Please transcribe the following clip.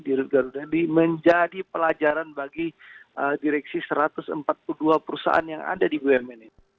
di garuda ini menjadi pelajaran bagi direksi satu ratus empat puluh dua perusahaan yang ada di bumn ini